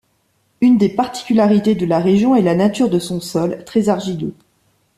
Une des particularités de la région est la nature de son sol, très argileux.